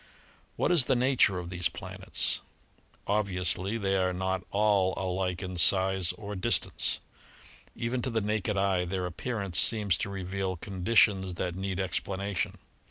What is the nature of these planets? Obviously they are not all alike in size or distance. Even to the naked eye their appearance seems to reveal conditions that need explanation.